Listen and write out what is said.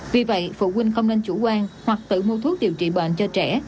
vì vậy phụ huynh không nên chủ quan hoặc tự mua thuốc điều trị bệnh cho trẻ